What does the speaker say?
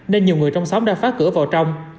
nên nhiều người trong xóm đã phá cửa vào trong